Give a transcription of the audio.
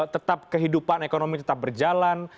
tetap kehidupan ekonomi tetap berjalan